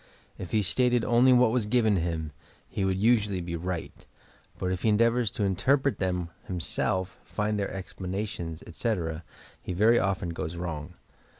If he stated only what was given him, he woald usually be right, but if he endeavours to interpret them himself, find their explanations, etc., he very often goes wrong.